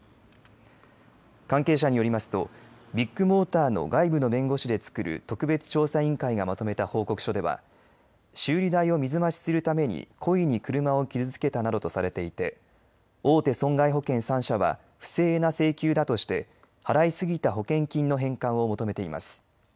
関係者によりますとビッグモーターの外部の弁護士で作る特別調査委員会がまとめた報告書では修理代を水増しするために故意に車を傷つけたなどとされていて大手損害保険３社は不正な請求だとして払い過ぎた保険金の返還を求めています。